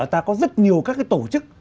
ta có rất nhiều các cái tổ chức